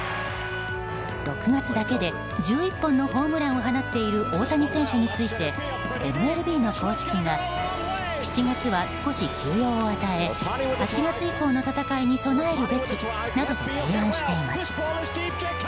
６月だけで１１本のホームランを放っている大谷選手についてＭＬＢの公式が７月は少し休養を与え８月以降の戦いに備えるべきなどと提案しています。